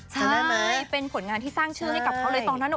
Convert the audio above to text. ใช่ไหมเป็นผลงานที่สร้างชื่อให้กับเขาเลยตอนนั้น